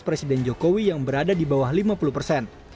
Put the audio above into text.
presiden jokowi yang berada di bawah lima puluh persen